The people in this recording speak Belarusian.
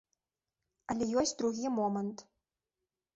Але ёсць другі момант.